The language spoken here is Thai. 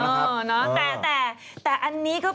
เดี๋ยวฉันเดินไม่ได้